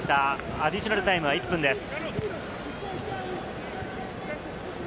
アディショナルタイムは１分です。